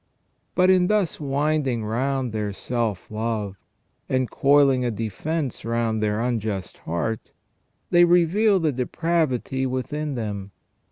But in thus winding round their self love, and coiling a defence round their unjust heart, they reveal the depravity within them.